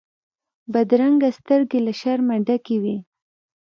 بدرنګه سترګې له شره ډکې وي